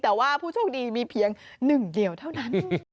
แต่ว่าผู้โชคดีมีเพียงหนึ่งเดียวเท่านั้น